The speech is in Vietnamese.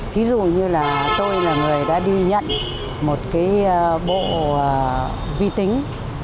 thí dụ như là tôi là người đã đi nhận một cái bộ vi tính